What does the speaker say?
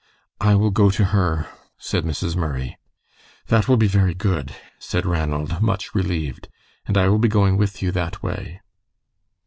"I will go to her," said Mrs. Murray. "That will be very good," said Ranald, much relieved. "And I will be going with you that way."